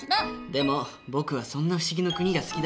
でも僕はそんな不思議の国が好きだな。